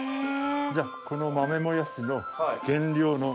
じゃあこの豆もやしの。